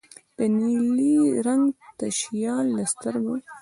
د نیلي رنګه تشیال له سترګو